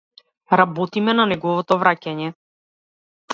Работиме на неговото враќање.